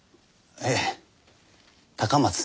ええ高松に。